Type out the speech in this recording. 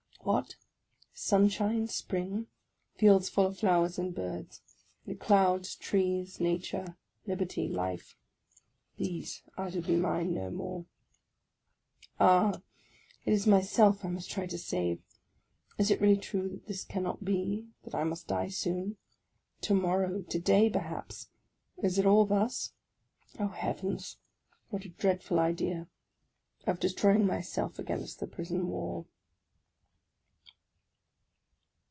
What! sunshine, spring, fields full of flowers and birds, the clouds, trees, nature, liberty, life, — these are to be mine no more ! Ah, it is myself I must try to save ! Is it really true that this cannot be, that I must die soon, — to morrow, to day per haps; is it all thus? Oh, heavens! what a dreadful idea, — of destroying myself against the prison wall